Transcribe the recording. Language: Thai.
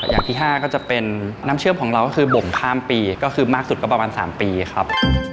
อย่างที่๕ก็จะเป็นน้ำเชื่อมของเราก็คือบ่งข้ามปีก็คือมากสุดก็ประมาณ๓ปีครับ